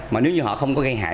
mà nếu như họ không có gây hại